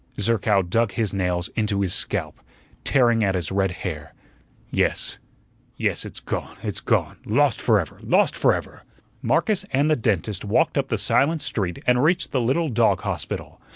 Zerkow dug his nails into his scalp, tearing at his red hair. "Yes, yes, it's gone, it's gone lost forever! Lost forever!" Marcus and the dentist walked up the silent street and reached the little dog hospital.